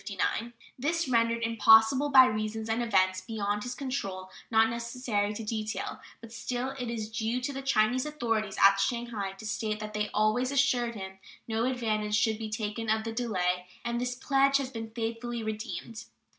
This was rendered impossible by reasons and events beyond his control, not necessary to detail; but still it is due to the Chinese authorities at Shanghai to state that they always assured him no advantage should be taken of the delay, and this pledge has been faithfully redeemed.